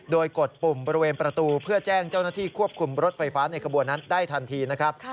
โดยกดปุ่มบริเวณประตูเพื่อแจ้งเจ้าหน้าที่ควบคุมรถไฟฟ้าในขบวนนั้นได้ทันทีนะครับ